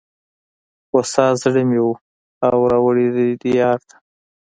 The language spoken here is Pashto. هوسا زړه مي وو را وړﺉ دې دیار ته